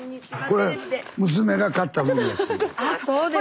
これ娘が買ったもんです。